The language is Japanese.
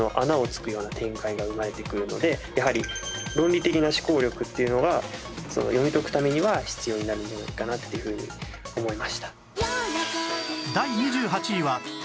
やはり論理的な思考力というのが読み解くためには必要になるんじゃないかなというふうに思いました。